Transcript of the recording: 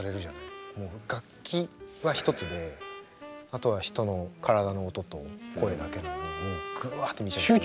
もう楽器は一つであとは人の体の音と声だけなのにもうぐわって見ちゃうというか。